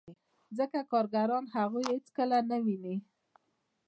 ځکه کارګران هغوی هېڅکله نه ویني